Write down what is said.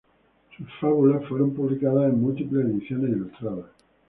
Sus fábulas fueron publicadas en múltiples ediciones ilustradas.